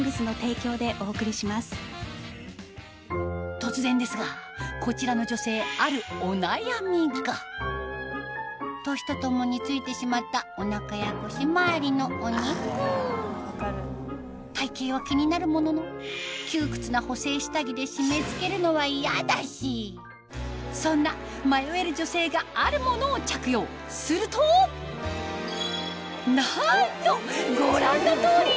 突然ですがこちらの女性年とともについてしまった体形は気になるものの窮屈な補整下着で締め付けるのは嫌だしそんな迷える女性があるものを着用するとなんとご覧の通り！